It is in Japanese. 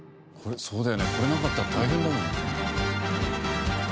そうだよねこれなかったら大変だもんな。